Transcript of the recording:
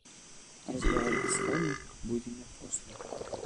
– А разговаривать с вами будем мы после.